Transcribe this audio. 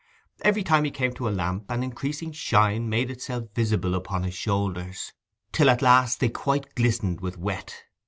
Every time he came to a lamp an increasing shine made itself visible upon his shoulders, till at last they quite glistened with wet.